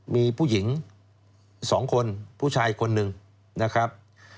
มีผู้หญิง๒คนผู้ชายคนหนึ่งนะครับ